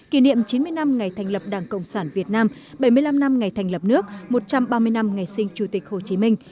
kỷ niệm chín mươi năm ngày thành lập đảng cộng sản việt nam bảy mươi năm năm ngày thành lập nước một trăm ba mươi năm ngày sinh chủ tịch hồ chí minh